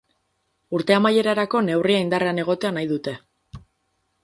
Urte amaierarako neurria indarrean egotea nahi dute.